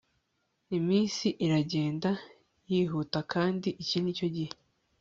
Iminsi iragenda yihuta kandi iki ni cyo gihe